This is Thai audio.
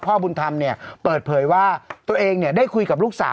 พ่อบุญธรรมเนี่ยเปิดเผยว่าตัวเองได้คุยกับลูกสาว